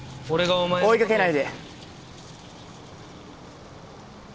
追いかけないで。